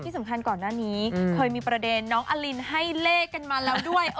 สำคัญก่อนหน้านี้เคยมีประเด็นน้องอลินให้เลขกันมาแล้วด้วย